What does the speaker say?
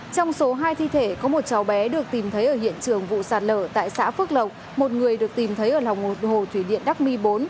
trong số hai thi thể có một cháu bé được tìm thấy ở hiện trường vụ sạt lở tại xã phước lộc một người được tìm thấy ở lòng hồ thủy điện đắc mi bốn